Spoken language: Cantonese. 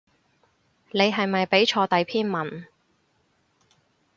你係咪畀錯第篇文